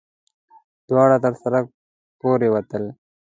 دواړه تر سړک پورې وتل.